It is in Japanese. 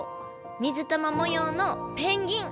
水玉もようのペンギン！